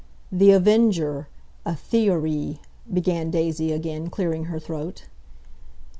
"THE AVENGER: A THE O RY" began Daisy again, clearing her throat.